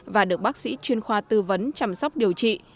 và được bác sĩ chuyên khoa tư vấn chăm sóc điều trị